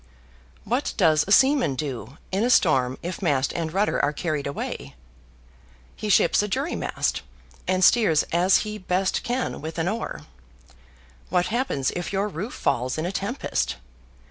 What does a seaman do in a storm if mast and rudder are carried away? He ships a jurymast, and steers as he best can with an oar. What happens if your roof falls in a tempest?